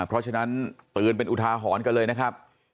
เพราะฉะนั้นเตือนเป็นอุทาหรณ์กันเลยนะครับ